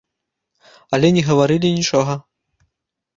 Але не гаварылі нічога.